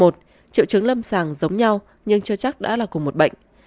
triệu chứng lâm sàng giống nhau nhưng chưa chắc đã là cùng một bệnh